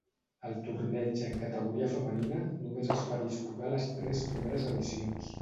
El torneig en categoria femenina només es va disputar les tres primeres edicions.